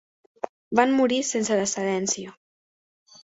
Van morir sense descendència.